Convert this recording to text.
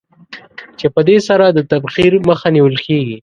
چې په دې سره د تبخیر مخه نېول کېږي.